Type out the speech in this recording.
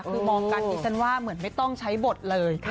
คือมองกันดิฉันว่าเหมือนไม่ต้องใช้บทเลย